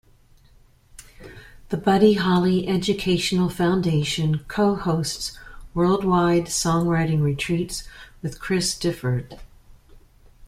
The Buddy Holly Educational Foundation co-hosts worldwide songwriting retreats with Chris Difford.